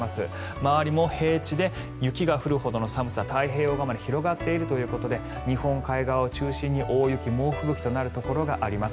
周りも平地で雪が降るほどの寒さが太平洋側まで広がっているということで日本海側を中心に大雪、猛吹雪となるところがあります。